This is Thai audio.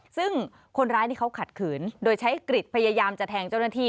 ซึ่งคนร้ายนี่เขาขัดขืนโดยใช้กริจพยายามจะแทงเจ้าหน้าที่